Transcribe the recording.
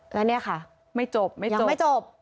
แล้วเนี้ยค่ะไม่จบยังไม่จบ